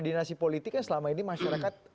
dinasti politik kan selama ini masyarakat